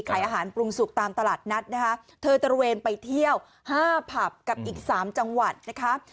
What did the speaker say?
ขายอาหารปรุงสุกตามตลาดนัดนะคะเธอตระเวนไปเที่ยวห้าผับกับอีกสามจังหวัดนะคะ